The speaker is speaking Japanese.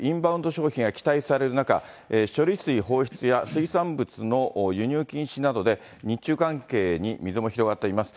消費が期待される中、処理水放出や水産物の輸入禁止などで、日中関係に溝も広がっています。